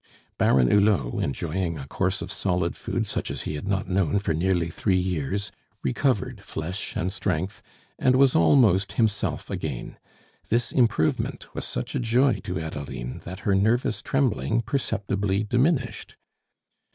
Baron Hulot, enjoying a course of solid food such as he had not known for nearly three years, recovered flesh and strength, and was almost himself again. This improvement was such a joy to Adeline that her nervous trembling perceptibly diminished.